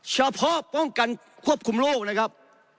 เฉพาะป้องกันควบคุมโรคนะครับ